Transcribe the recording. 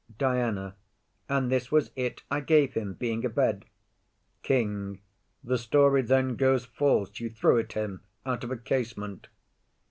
DIANA. And this was it I gave him, being abed. KING. The story then goes false you threw it him Out of a casement.